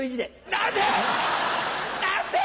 何で！